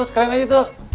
tuh sekalian aja tuh